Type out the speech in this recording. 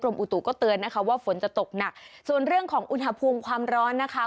อุตุก็เตือนนะคะว่าฝนจะตกหนักส่วนเรื่องของอุณหภูมิความร้อนนะคะ